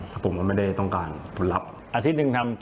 ถ้าผมมันไม่ได้ต้องการผลลัพธ์